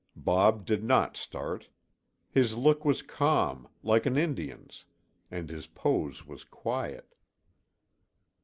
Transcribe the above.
Bob did not start. His look was calm, like an Indian's, and his pose was quiet.